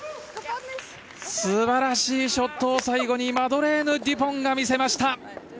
素晴らしいショットを最後にマドレーヌ・デュポンが見せました。